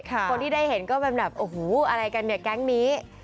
คนที่ได้เห็นก็เป็นแบบโอ้โหอะไรกันเนี่ยแก๊งนี้